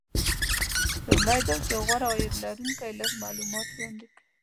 لومړی دا چې غوره عاید لرونکي لږ معلومات وړاندې کوي